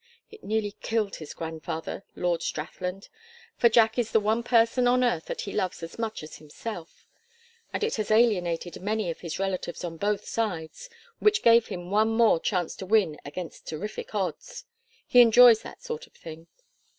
It nearly killed his grandfather Lord Strathland for Jack is the one person on earth that he loves as much as himself; and it has alienated many of his relatives on both sides which gave him one more chance to win against terrific odds; he enjoys that sort of thing.